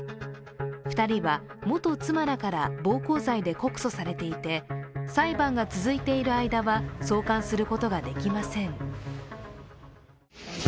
２人は元妻らから暴行罪で告訴されていて、裁判が続いている間は送還することができません。